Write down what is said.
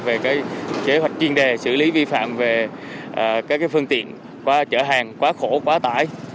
về kế hoạch chuyên đề xử lý vi phạm về các phương tiện quá chở hàng quá khổ quá tải